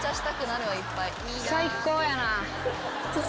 最高やな。